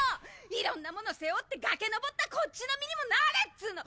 いろんなもの背負って崖登ったこっちの身にもなれっつうの！